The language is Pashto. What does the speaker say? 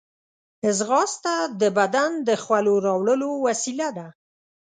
ځغاسته د بدن د خولو راوړلو وسیله ده